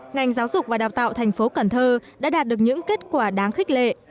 ngành giáo dục và đào tạo tp cần thơ đã đạt được những kết quả đáng khích lệ